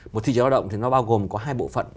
một thị trường lao động thì nó bao gồm có hai bộ phận